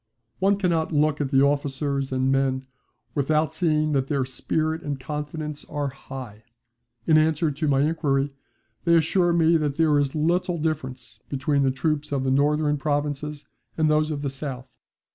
One cannot look at the officers and men without seeing that their spirit and confidence are high. In answer to my inquiry they assure me that there is little difference between the troops of the northern provinces and those of the south.